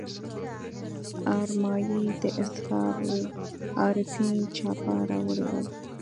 ارمایي د اسرار العارفین چاپه راوړي ول.